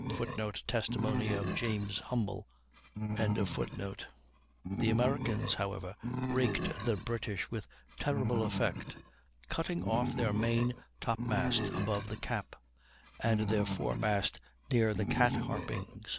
[Footnote: Testimony of James Humble, in do., do.] The Americans, however, raked the British with terrible effect, cutting off their main top mast above the cap, and their foremast near the cat harpings.